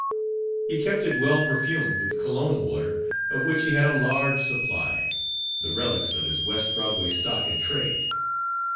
_ He kept it well perfumed with Cologne water, of which he had a large supply, the relics of his West Broadway stock in trade.